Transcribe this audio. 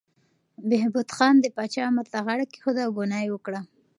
بهبود خان د پاچا امر ته غاړه کېښوده او ګناه یې وکړه.